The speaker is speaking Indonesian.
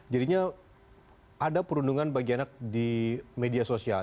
jadinya ada perundungan bagi anak di media sosial